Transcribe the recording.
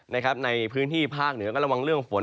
ในพื้นที่ภาคเหนือก็ระวังเรื่องฝน